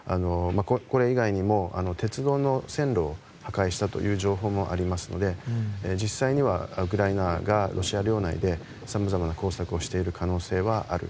これ以外にも鉄道の線路を破壊したという情報もありますので実際にはウクライナがロシア領内でさまざまな工作をしている可能性がある。